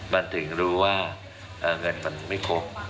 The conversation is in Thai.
มันถึงรู้ว่าเงินมันไม่ครบ